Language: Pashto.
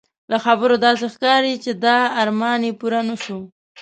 له خبرو داسې ښکاري چې دا ارمان یې پوره نه شو.